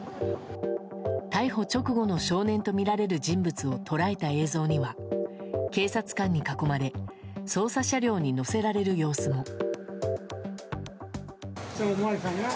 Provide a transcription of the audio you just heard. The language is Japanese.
逮捕直後の少年とみられる人物を捉えた映像には警察官に囲まれ捜査車両に乗せられる様子も。